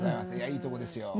いいとこですよ